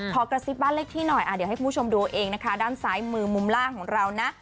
กระซิบบ้านเลขที่หน่อยเดี๋ยวให้คุณผู้ชมดูเอาเองนะคะด้านซ้ายมือมุมล่างของเรานะ